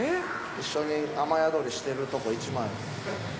一緒に雨宿りしてるとこ１枚。